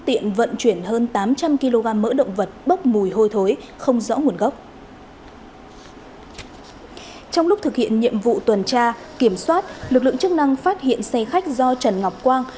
trong lúc thực hiện nhiệm vụ tuần tra kiểm soát lực lượng chức năng phát hiện xe khách do trần ngọc quang